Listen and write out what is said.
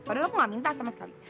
padahal aku nggak minta sama sekali